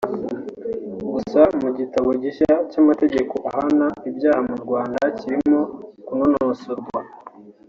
Gusa mu gitabo gishya cy’amategeko ahana ibyaha mu Rwanda kirimo kunonosorwa